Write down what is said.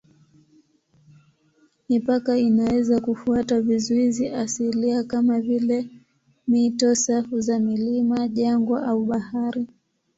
Mipaka inaweza kufuata vizuizi asilia kama vile mito, safu za milima, jangwa au bahari.